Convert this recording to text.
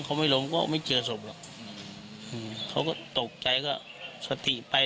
เขาไม่ลงก็ไม่เจอศพหรอกอืมเขาก็ตกใจก็สติไป